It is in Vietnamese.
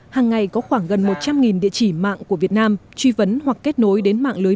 hàng ngày có khoảng gần một trăm linh địa chỉ mạng của việt nam truy vấn hoặc kết nối đến mạng lưới